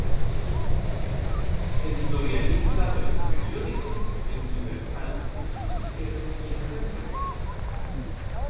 Editorialista de los periódicos El Universal, El Financiero y El Centro.